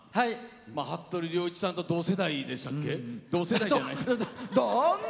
服部良一さんと同世代でしたっけ？